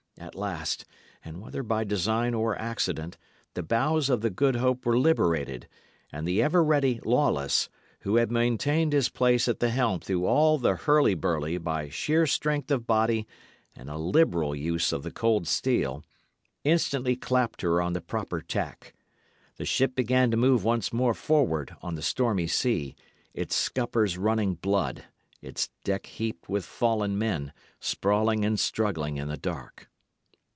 At last, and whether by design or accident, the bows of the Good Hope were liberated; and the ever ready Lawless, who had maintained his place at the helm through all the hurly burly by sheer strength of body and a liberal use of the cold steel, instantly clapped her on the proper tack. The ship began to move once more forward on the stormy sea, its scuppers running blood, its deck heaped with fallen men, sprawling and struggling in the dark.